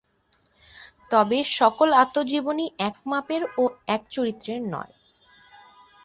তবে সকল আত্মজীবনী এক মাপের ও এক চরিত্রের নয়।